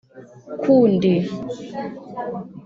kundi